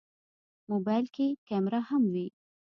موبایل کې کیمره هم وي.